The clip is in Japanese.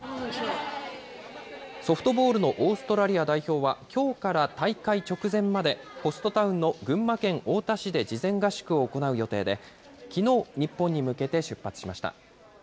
ソフトボールのオーストラリア代表は、きょうから大会直前まで、ホストタウンの群馬県太田市で事前合宿を行う予定で、きのう、日本に向けて出発しました。